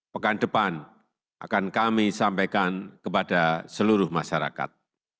pekan depan akan kami sampaikan kepada seluruh masyarakat